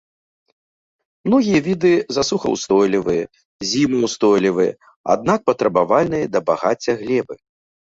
Многія віды засухаўстойлівыя, зімаўстойлівыя, аднак патрабавальныя да багацця глебы.